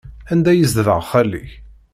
Anda ay yezdeɣ xali-k?